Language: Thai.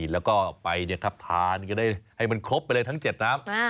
แล้วก็ไปเนี่ยครับทานก็ได้ให้มันครบไปเลยทั้ง๗นะครับ